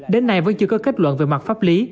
đến nay vẫn chưa có kết luận về mặt pháp lý